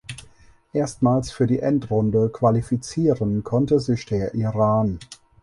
Erstmals für die Endrunde qualifizieren konnte sich der Iran.